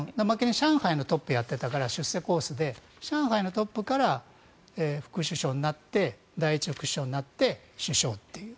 上海のトップをやっていたから出世コースで上海のトップから副首相になって第１副首相になって首相という。